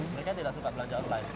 mereka tidak suka belanja online